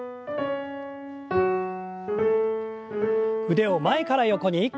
腕を前から横に。